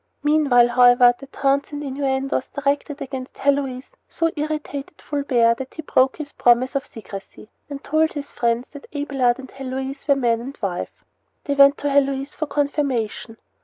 Meanwhile, however, the taunts and innuendos directed against Heloise so irritated Fulbert that he broke his promise of secrecy, and told his friends that Abelard and Heloise were man and wife. They went to Heloise for confirmation.